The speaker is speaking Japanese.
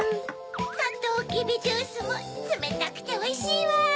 サトウキビジュースもつめたくておいしいわ！